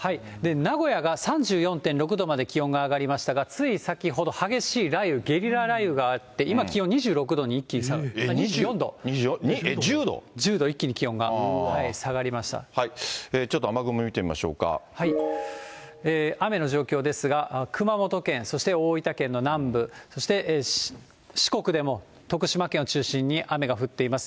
名古屋が３４．６度まで気温が上がりましたが、つい先ほど激しい雷雨、ゲリラ雷雨があって、今気温、２４度に一気に下がって、１０度一気に気温が下がりまちょっと雨雲見てみましょう雨の状況ですが、熊本県、そして大分県の南部、そして四国でも徳島県を中心に雨が降っています。